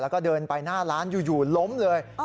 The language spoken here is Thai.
แล้วก็เดินไปหน้าร้านอยู่ล้มเลย